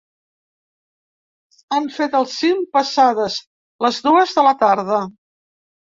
Han fet el cim passades les dues de la tarda.